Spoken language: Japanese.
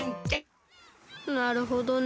なるほどね。